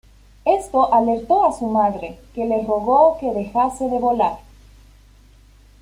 Esto alertó a su madre, que le rogó que dejase de volar.